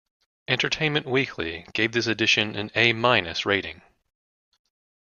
"Entertainment Weekly" gave this edition an "A-" rating.